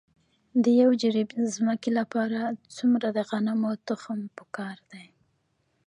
د یو جریب ځمکې لپاره څومره د غنمو تخم پکار دی؟